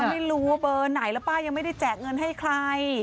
ไม่รู้ว่าเบอร์ไหนแล้วป้ายังไม่ได้แจกเงินให้ใคร